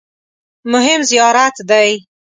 مهم زیارت دی.